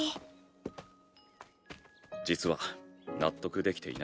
実は納得できていない。